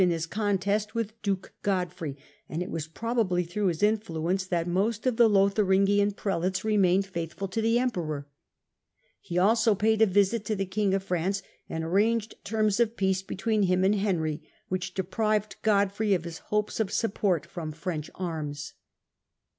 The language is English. in his contest with duke Godfirey, and it was probably through his influence that most of the Lotharingian prelates Digitized by VjOOQIC 28 • HlLDEBRAND remained faithful to the emperor. He also paid a visit to the king of France, and arranged terms of peace between liim and Henry, which deprived Godfrey of his hopes of support from French arms.